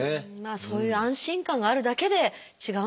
そういう安心感があるだけで違うんでしょうね。